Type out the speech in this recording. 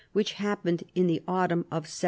which happened in the autumn of 775.